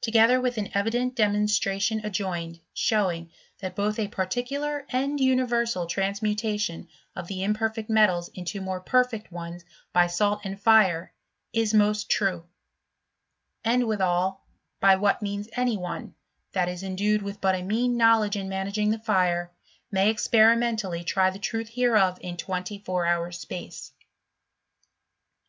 Together with an evi deur demonstration adjoined, showing;, that both a particular and universal transmutation of the imper fect metals into more perfect ones by salt aad tite, li 232 BISTORT OF CHlsnSTRT« most true; and withal, by what means any cme, that is endued with but a mean knowledge in managing the fire, may experimentally try the truth hereof in twen ty four hours' space.